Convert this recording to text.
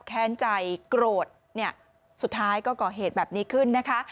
แค้นใจโกรธเนี่ยสุดท้ายก็ก่อเหตุแบบนี้ขึ้นนะคะ